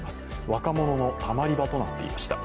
若者のたまり場となっていました。